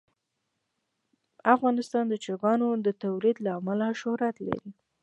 افغانستان د چرګانو د تولید له امله شهرت لري.